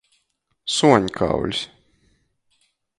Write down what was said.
Suonkauļs.